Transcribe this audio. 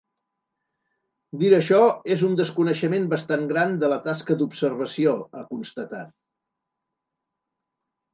Dir això és un desconeixement bastant gran de la tasca d’observació, ha constatat.